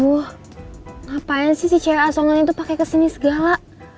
wuh ngapain sih si cewek asongan itu pake kesini segala